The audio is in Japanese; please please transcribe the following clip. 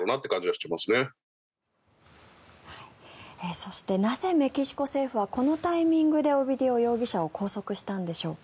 そしてなぜメキシコ政府はこのタイミングでオビディオ容疑者を拘束したんでしょうか。